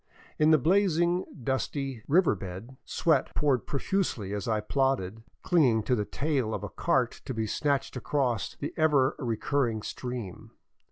In the blazing, dusty, river bed, sweat poured profusely as I plodded, clinging to the tail of a cart to be snatched across the ever recurring stream.